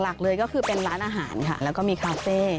หลักเลยก็คือเป็นร้านอาหารค่ะแล้วก็มีคาเฟ่